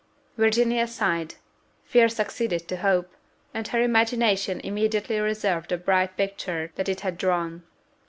Virginia sighed: fear succeeded to hope, and her imagination immediately reversed the bright picture that it had drawn.